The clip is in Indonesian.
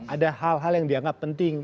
ada hal hal yang dianggap penting